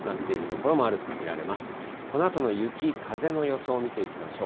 このあとの雪、風の予想を見ていきましょう。